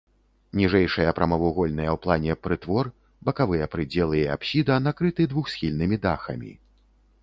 Ніжэйшыя прамавугольныя ў плане прытвор, бакавыя прыдзелы і апсіда накрыты двухсхільнымі дахамі.